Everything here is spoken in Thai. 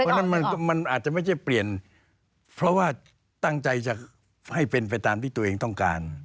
เพราะฉะนั้นมันอาจจะไม่ใช่เปลี่ยนเพราะว่าตั้งใจจะให้เป็นไปตามที่ตัวเองต้องการ